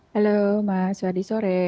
halo mas selamat sore